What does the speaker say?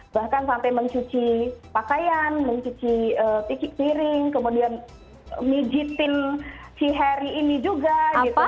bahkan sampai mencuci pakaian mencuci pikik piring kemudian mijitin si harry ini juga gitu